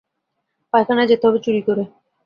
পায়খানায় যেতে হবে চুরি করে।